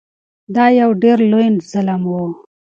دا یو ډیر لوی ظلم و.